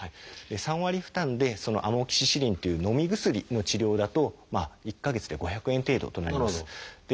３割負担でアモキシシリンというのみ薬の治療だと１か月で５００円程度となります。